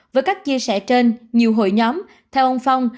với các chia sẻ trên nhiều hội nhóm theo ông phong